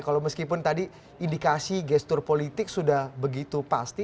kalau meskipun tadi indikasi gestur politik sudah begitu pasti